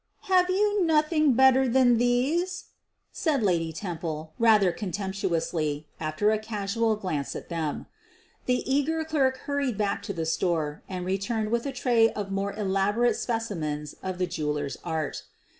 "Have you nothing better than these V said Lady Temple, rather contemptuously, after a casual glance at them. The eager clerk hurried back to the store and re turned with a tray of more elaborate specimens of the jeweler's art.